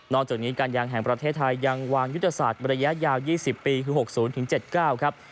จากนี้การยางแห่งประเทศไทยยังวางยุทธศาสตร์ระยะยาว๒๐ปีคือ๖๐๗๙ครับ